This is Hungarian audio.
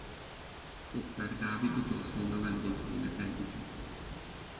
Popper Dávid utolsó növendékeinek egyike.